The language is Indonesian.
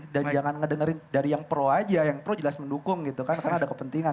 dan jangan ngedengerin dari yang pro aja yang pro jelas mendukung gitu kan karena ada kepentingan